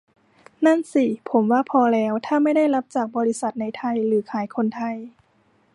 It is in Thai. นั่นสิ ผมว่าพอแล้ว ถ้าไม่ได้รับจากบริษัทในไทยหรือขายคนไทย